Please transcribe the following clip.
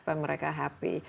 supaya mereka happy